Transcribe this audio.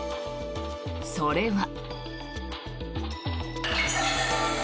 それは。